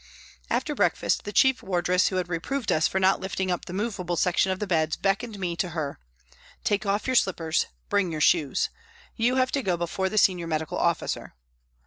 After breakfast the chief wardress who had reproved us for not lifting up the movable section of the beds, beckoned me to her " Take off your slippers. Bring your shoes ; you have to go before the Senior Medical Officer."